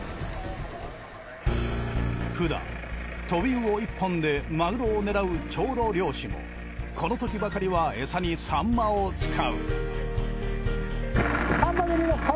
ふだんトビウオ一本でマグロを狙う長老漁師もこのときばかりはエサにサンマを使う。